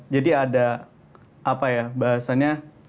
jadi ada apa ya bahasanya